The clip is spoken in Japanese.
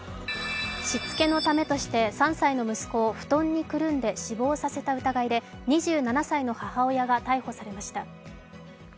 しつけのためとして３歳の息子を布団にくるんで死亡させたとして２７歳の母親が逮捕されました。